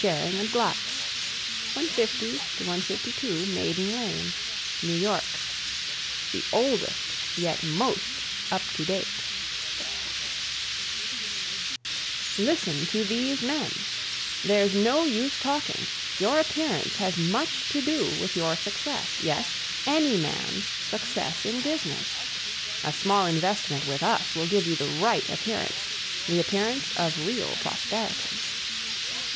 Schering & Glatz 150 152 Maiden Lane New York THE OLDEST YET MOST UP TO DATE Listen To These Men THERE'S NO USE TALKING your appearance has much to do with your success, yes, any man's success in business. A small investment with us will give you the right appearance, the appearance of real prosperity.